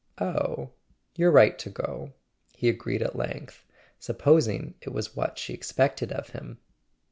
"Oh, you're right to go," he agreed at length, supposing it was what she expected of him.